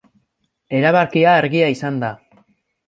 Erabakia argia izan da.